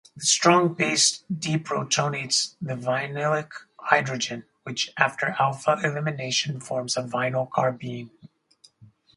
The strong base deprotonates the vinylic hydrogen, which after alpha-elimination forms a vinyl carbene.